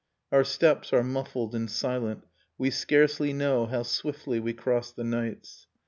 . Our steps are muffled and silent, we scarcely know How swiftly we cross the nights.